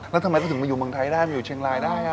แล้วทำไมเขาถึงมาอยู่เมืองไทยได้มาอยู่เชียงรายได้